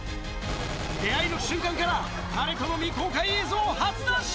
出会いの瞬間から、彼との未公開映像、初出し。